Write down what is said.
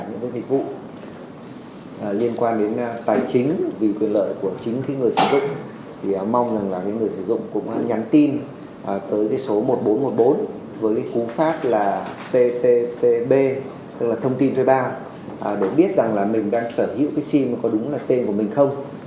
những cái dịch vụ liên quan đến tài chính vì quyền lợi của chính cái người sử dụng thì mong rằng là người sử dụng cũng nhắn tin tới số một nghìn bốn trăm một mươi bốn với cú pháp là tttb tức là thông tin thuê bao để biết rằng là mình đang sở hữu cái sim có đúng là tên của mình không